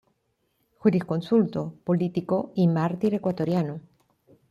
Jurisconsulto, político y mártir ecuatoriano.